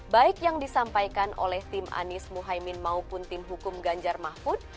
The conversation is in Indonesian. baik yang disampaikan oleh tim anies muhaymin maupun tim hukum ganjar mahfud